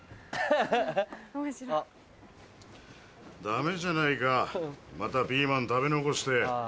ダメじゃないかまたピーマン食べ残して。